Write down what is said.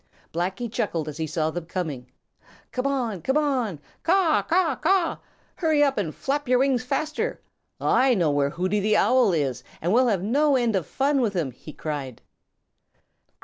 Blacky chuckled as he saw them coming. "Come on! Come on! Caw, caw, caw! Hurry up and flap your wings faster. I know where Hooty the Owl is, and we'll have no end of fun with him," he cried.